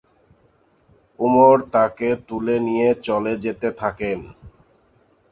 উমর তাকে তুলে নিয়ে চলে যেতে থাকেন।